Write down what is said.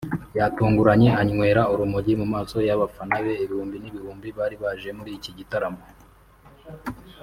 yatunguranye anywera urumogi mu maso y’abafana be ibihumbi n’ibihumbi bari baje muri iki gitaramo